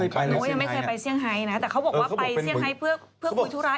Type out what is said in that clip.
อ๋อยังไม่เคยไปเชี่ยงไฮนะแต่เขาบอกว่าไปเชี่ยงไฮเพื่อคุยธุระอีกเดียว